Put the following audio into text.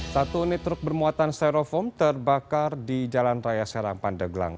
satu unit truk bermuatan styrofoam terbakar di jalan raya serampan deglang